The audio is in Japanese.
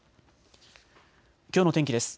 きょうの天気です。